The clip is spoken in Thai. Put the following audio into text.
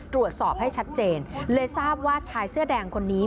ตรวจสอบให้ชัดเจนเลยทราบว่าชายเสื้อแดงคนนี้